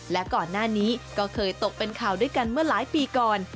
และก่อนหน้านี้ก็เคยตกเป็นข่าวด้วยกันเมื่อหลายปีก่อน